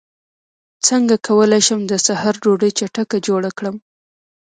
څنګه کولی شم د سحر ډوډۍ چټکه جوړه کړم